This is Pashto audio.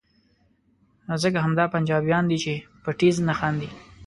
ځکه همدا پنجابیان دي چې په ټیز نه خاندي.